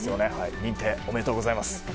認定、おめでとうございます。